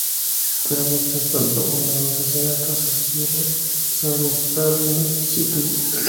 Pero, mientras tanto, un nuevo asesinato se cierne sobre Starling City.